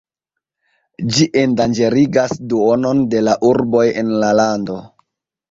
Ĝi endanĝerigas duonon de la urboj en la lando.